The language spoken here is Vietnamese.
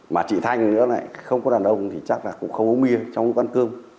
mà chị thanh nữa này không có đàn ông thì chắc là cũng không uống bia trong một căn cơm